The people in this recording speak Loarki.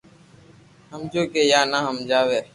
ھمجيو ھمي يا ني ھمجاوي